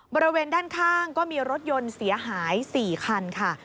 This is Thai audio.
บริเวณด้านข้างก็มีรถยนต์เสียหาย๔คันค่ะ